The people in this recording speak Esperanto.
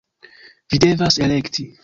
Vi devas elekti!